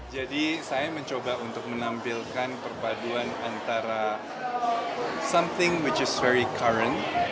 jadi saya mencoba untuk menampilkan perpaduan antara sesuatu yang sangat karyat